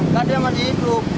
kan dia masih hidup